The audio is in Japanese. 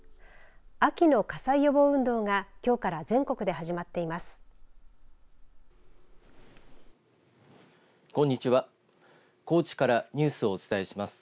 秋の火災予防運動が、きょうから全国で始まっています。